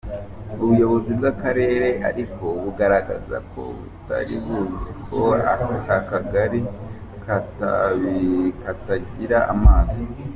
Ubuyobozi bw’aka karere ariko bugaragaza ko butari buzi ko aka kagari katagira amazi.